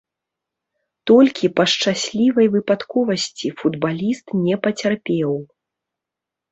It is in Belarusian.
Толькі па шчаслівай выпадковасці футбаліст не пацярпеў.